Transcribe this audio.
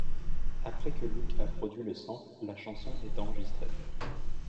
Après que Luke a produit le sample, la chanson est enregistrée.